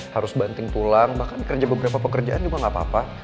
harus banting tulang bahkan kerja beberapa pekerjaan juga nggak apa apa